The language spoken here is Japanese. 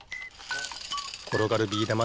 ころがるビーだま